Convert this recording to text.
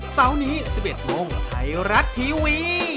เสาร์นี้๑๑โมงไทยรัฐทีวี